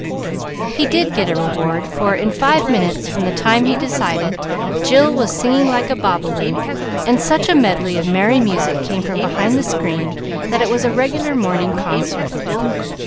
He did get a reward, for, in five minutes from the time he decided, Jill was singing like a bobolink, and such a medley of merry music came from behind the screen, that it was a regular morning concert.